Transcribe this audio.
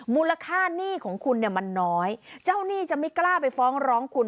มูลค่าหนี้ของคุณเนี่ยมันน้อยเจ้าหนี้จะไม่กล้าไปฟ้องร้องคุณ